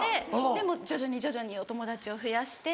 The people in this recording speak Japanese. でもう徐々に徐々にお友達を増やして。